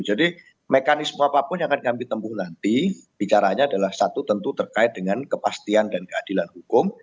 jadi mekanisme apapun yang akan kami temukan nanti bicaranya adalah satu tentu terkait dengan kepastian dan keadilan hukum